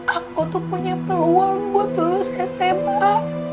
aku tuh punya peluang buat lulus sma